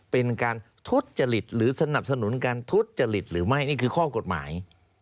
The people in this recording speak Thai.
เป็นการทุจจริตหรือสนับสนุนการทุจริตหรือไม่นี่คือข้อกฎหมาย